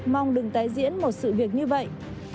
mong đừng tái diễn một sự việc như vậy